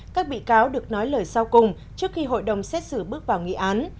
các bị cáo được nói lời sau cùng trước khi hội đồng xét xử bước vào nghị án